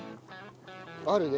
あるね。